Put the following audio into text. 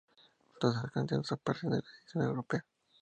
Todas estas canciones aparecen en la edición europea.